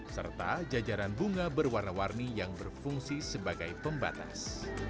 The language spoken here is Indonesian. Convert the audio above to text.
serta jajaran bunga berwarna warni yang berfungsi sebagai pembatas